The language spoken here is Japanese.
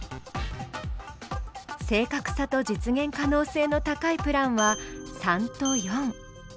正確さと実現可能性の高いプランは３と４。